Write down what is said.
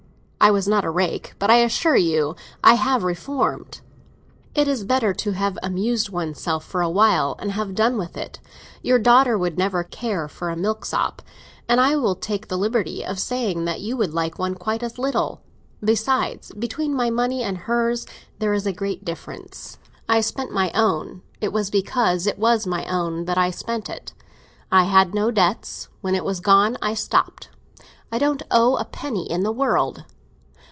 I was not a rake, but I assure you I have reformed. It is better to have amused oneself for a while and have done with it. Your daughter would never care for a milksop; and I will take the liberty of saying that you would like one quite as little. Besides, between my money and hers there is a great difference. I spent my own; it was because it was my own that I spent it. And I made no debts; when it was gone I stopped. I don't owe a penny in the world."